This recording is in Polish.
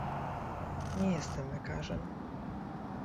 Nie jestem lekarzem